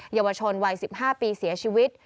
เยาวชนวัย๑๕ปีเสียชีวิต